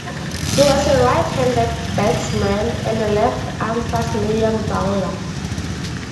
He was a right-handed batsman and a left-arm fast-medium bowler.